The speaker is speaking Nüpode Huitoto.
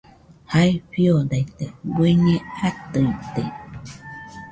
Jae fiodaite bueñe atɨite